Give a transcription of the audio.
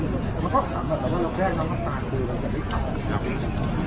มัก็ความคิดว่าเราแค้นน้องต่างก็จะไม่ข่าว